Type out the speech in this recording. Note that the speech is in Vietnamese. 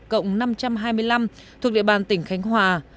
một ba trăm bảy mươi bốn cộng năm trăm hai mươi năm thuộc địa bàn tỉnh khánh hòa